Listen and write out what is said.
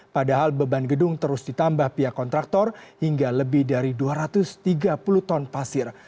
padahal beban gedung terus ditambah pihak kontraktor hingga lebih dari dua ratus tiga puluh ton pasir